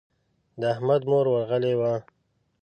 د احمد مور ورغلې وه.